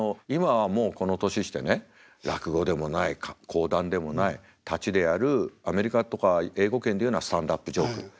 今はもうこの年してね落語でもない講談でもない立ちでやるアメリカとか英語圏で言うのはスタンドアップ・ジョーク。